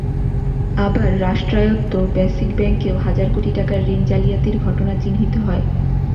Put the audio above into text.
আবার রাষ্ট্রায়ত্ত বেসিক ব্যাংকেও হাজার কোটি টাকার ঋণ জালিয়াতির ঘটনা চিহ্নিত হয়।